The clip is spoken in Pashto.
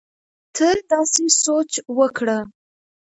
ته داسې سوچ وکړه